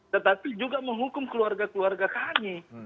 tetapi juga menghukum keluarga keluarga kami